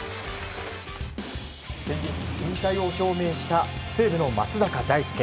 先日、引退を表明した西武の松坂大輔。